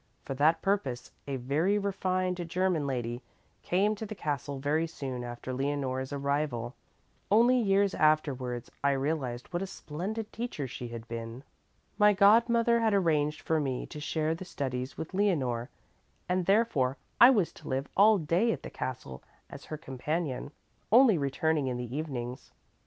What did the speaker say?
For that purpose a very refined German lady came to the castle very soon after Leonore's arrival. Only years afterwards I realized what a splendid teacher she had been. "My godmother had arranged for me to share the studies with Leonore, and therefore I was to live all day at the castle as her companion, only returning in the evenings.